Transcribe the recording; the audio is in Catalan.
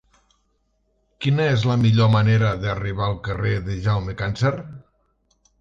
Quina és la millor manera d'arribar al carrer de Jaume Càncer?